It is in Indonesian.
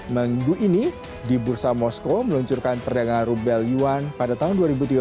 minggu ini di bursa moskow meluncurkan perdagangan rubel yuan pada tahun dua ribu tiga belas